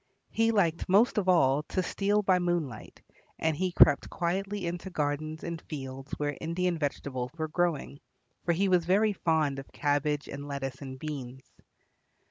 He liked most of all to steal by moonlight, and he crept quietly into gardens and fields where Indian vegetables were growing, for he was very fond of cabbage and lettuce and beans.